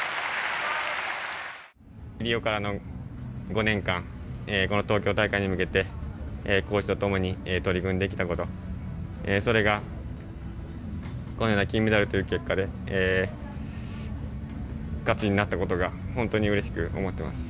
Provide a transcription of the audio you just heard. リオからの５年間この東京大会に向けてコーチとともに取り組んできたこと、それがこのような金メダルという結果で価値になったことが本当にうれしく思います。